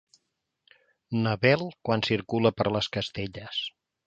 Na Bel quan circula per les Castelles.